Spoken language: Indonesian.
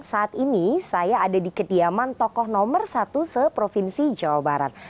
saat ini saya ada di kediaman tokoh nomor satu seprovinsi jawa barat